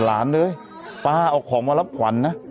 เฮ้ยป้าเอาของมารับขวัญนะ